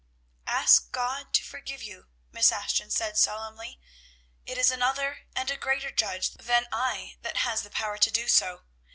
"Ask God to forgive you," Miss Ashton said solemnly. "It is another and a greater judge than I that has the power to do so.